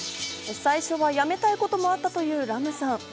最初はやめたいこともあったというＲＡＭさん。